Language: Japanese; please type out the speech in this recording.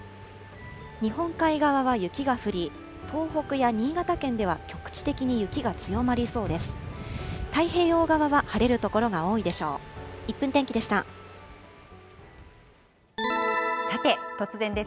日本海側は雪が降り、東北や新潟県では局地的に雪が強まりそうです。